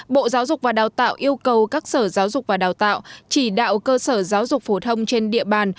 bộ giáo dục và đào tạo yêu cầu các sở giáo dục và đào tạo chỉ đạo cơ sở giáo dục phổ thông trên địa bàn